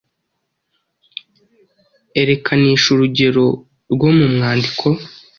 Erekanisha urugero rwo mu mwandiko